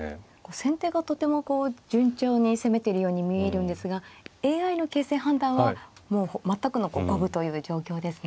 先手がとても順調に攻めてるように見えるんですがＡＩの形勢判断は全くの五分という状況ですね。